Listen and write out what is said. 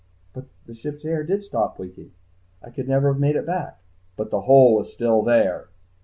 "But the ship's air did stop leaking. I could never have made it back...." "But the hole was still there!"